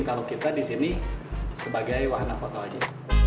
kalau kita disini sebagai wahana foto saja